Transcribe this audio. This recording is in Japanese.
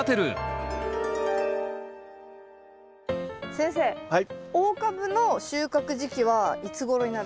先生大株の収穫時期はいつごろになるんですか？